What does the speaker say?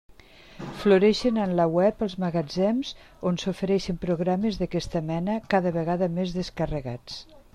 Floreixen en la web els magatzems on s'ofereixen programes d'aquesta mena, cada vegada més descarregats.